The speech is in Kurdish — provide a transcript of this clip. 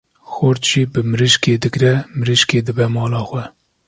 Xort jî bi mirîşkê digre, mirîşkê dibe mala xwe.